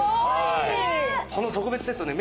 この特別セットね